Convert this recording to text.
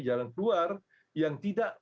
jalan keluar yang tidak